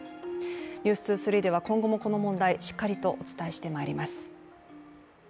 「ｎｅｗｓ２３」では今後もこの問題、しっかりとお伝えして参ります。